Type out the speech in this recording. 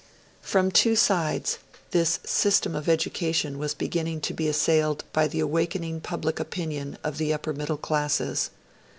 From two sides this system of education was beginning to be assailed by the awakening public opinion of the upper middle classes.